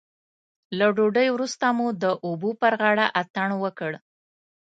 له ډوډۍ وروسته مو د اوبو پر غاړه اتڼ وکړ.